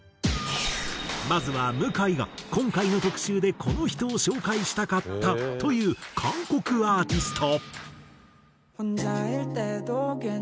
まずは向井が「今回の特集でこの人を紹介したかった！」と言う韓国アーティスト。